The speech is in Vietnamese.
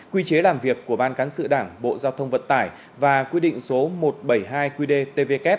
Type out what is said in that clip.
quy chế làm việc của ban cán sự đảng bộ giao thông vận tải và quy định số một trăm bảy mươi hai qdtvk